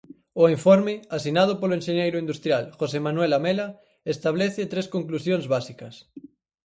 O informe, asinado polo enxeñeiro industrial José Manuel Lamela, estabelece tres conclusións básicas.